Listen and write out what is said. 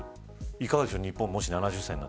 いかがでしょう日本